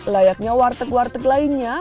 layaknya warteg warteg lainnya